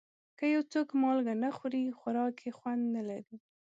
که یو څوک مالګه نه خوري، خوراک یې خوند نه لري.